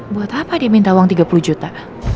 buat apa dia minta uang tiga puluh juta